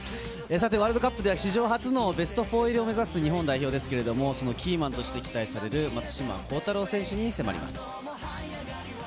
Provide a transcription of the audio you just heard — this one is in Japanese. ワールドカップでは史上初のベスト４入りを目指す日本代表ですけれど、そのキーマンとして期待される松島幸太朗選手に迫ります。